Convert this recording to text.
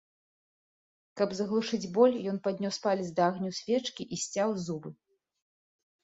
Каб заглушыць боль, ён паднёс палец да агню свечкі і сцяў зубы.